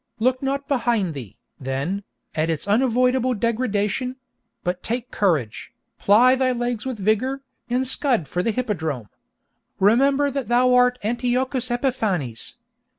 Look not behind thee, then, at its unavoidable degradation; but take courage, ply thy legs with vigor, and scud for the hippodrome! Remember that thou art Antiochus Epiphanes.